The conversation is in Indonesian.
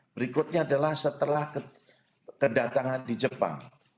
berikutnya adalah setelah kedatangan di jepang